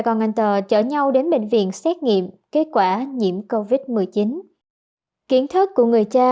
còn anh tờ chở nhau đến bệnh viện xét nghiệm kết quả nhiễm covid một mươi chín kiến thức của người cha